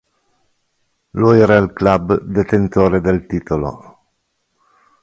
Lo era il club detentore del titolo.